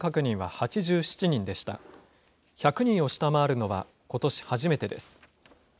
１００人を下回るのはことし初めてです。